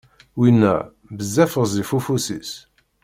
Winna, bezzaf ɣezzif ufus-is.